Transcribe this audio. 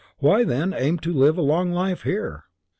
Why then aim to live a long life here?